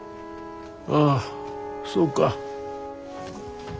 ああそうが。